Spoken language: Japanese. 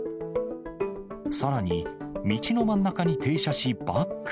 さらに、道の真ん中に停車しバック。